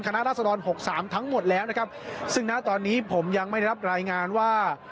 ราศดรหกสามทั้งหมดแล้วนะครับซึ่งณตอนนี้ผมยังไม่ได้รับรายงานว่า